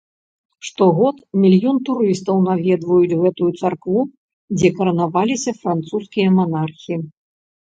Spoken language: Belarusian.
Штогод мільён турыстаў наведваюць гэтую царкву, дзе каранаваліся французскія манархі.